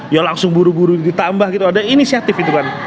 ya langsung buru buru ditambah gitu ada inisiatif itu kan